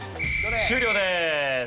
終了です。